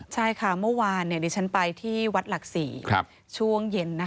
ใช่ค่ะเมื่อวานดิฉันไปที่วัดหลักศรีช่วงเย็น